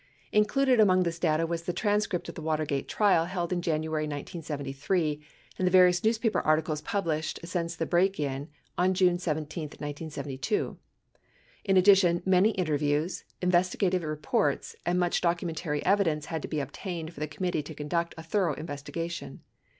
Included among this data was the transcript of the Watergate trial held in January 1973 and various newspaper articles published since the break in on June 17, 1972. In addition, many interviews, investigative reports, and much documentary evidence had to be obtained for the committee to conduct a thorough investigation.